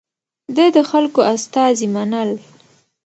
ده د خلکو استازي منل.